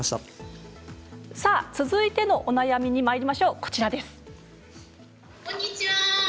続いてのお悩みにまいりましょう。